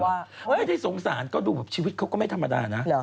ไม่ได้สงสารก็ดูแบบชีวิตเขาก็ไม่ธรรมดานะ